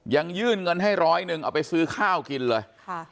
ยื่นเงินให้ร้อยหนึ่งเอาไปซื้อข้าวกินเลย